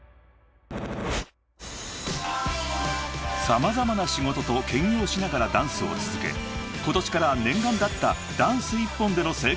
［様々な仕事と兼業しながらダンスを続け今年から念願だった］